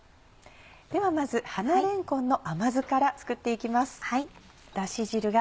ではまず花れんこんの甘酢から作って行きます。